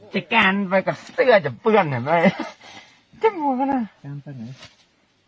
จะแกนไปกับเสื้อจะเปื้อนเหมือนไง